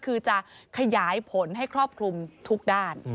คือจะขยายผลให้ครอบคลุมทุกด้าน